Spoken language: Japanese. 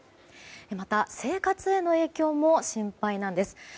また、生活への影響も心配なんです。